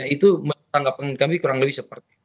itu tanggapan kami kurang lebih seperti